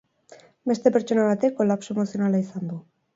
Beste pertsona batek kolapso emozionala izan du.